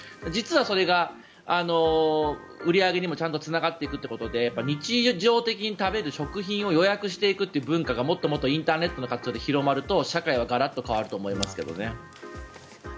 実はそれが売り上げにもちゃんとつながっていくということで日常的に食べる食品を予約していくって文化がもっともっとインターネットの活用で広まると社会はガラッと変わると思いますけどね。